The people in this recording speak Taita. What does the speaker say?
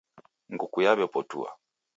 Nguku yaw'epotua.